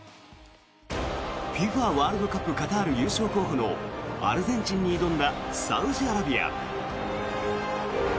ＦＩＦＡワールドカップカタール優勝候補のアルゼンチンに挑んだサウジアラビア。